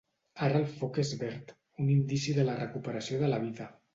Ara el foc és verd, un indici de la recuperació de la vida.